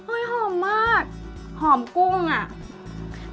หอมมากหอมกุ้งอ่ะ